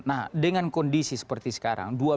nah dengan kondisi seperti sekarang